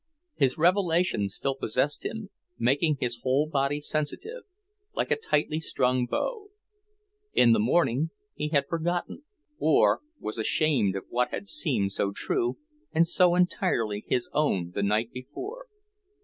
His revelation still possessed him, making his whole body sensitive, like a tightly strung bow. In the morning he had forgotten, or was ashamed of what had seemed so true and so entirely his own the night before.